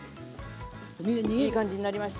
いい感じになりました。